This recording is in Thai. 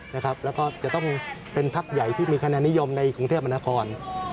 แล้วก็จะต้องเป็นพักใหญ่ที่มีคะแนนนิยมในกรุงเทพมนาคม